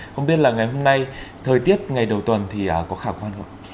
không biết là ngày hôm nay thời tiết ngày đầu tuần thì có khả quan không ạ